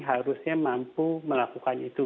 harusnya mampu melakukan itu